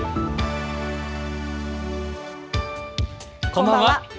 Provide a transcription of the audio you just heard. こんばんは。